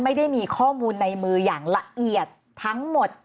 ไม่ได้มีข้อมูลในมืออย่างละเอียดทั้งหมด